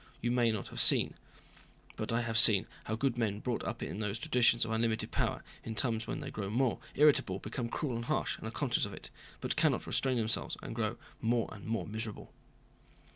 You may not have seen, but I have seen, how good men brought up in those traditions of unlimited power, in time when they grow more irritable, become cruel and harsh, are conscious of it, but cannot restrain themselves and grow more and more miserable."